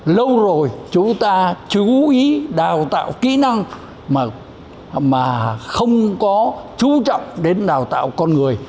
lâu rồi chúng ta chú ý đào tạo kỹ năng mà không có chú trọng đến đào tạo con người